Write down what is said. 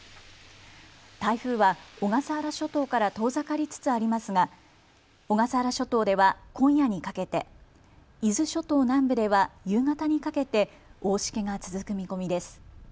台風は小笠原諸島から遠ざかりつつありますが小笠原諸島では今夜にかけて、伊豆諸島南部では夕方にかけて大しけが続く見込みです。